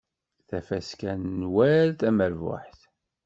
Tafaska n Nwal tamerbuḥt.